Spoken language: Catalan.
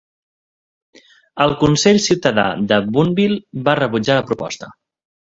El consell ciutadà de Boonville va rebutjar la proposta.